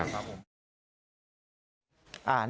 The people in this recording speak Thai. ครับครับผม